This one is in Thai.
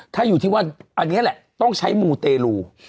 ถ้าอยู่ที่ว่าอันนี้แหละต้องใช้มูเตรลู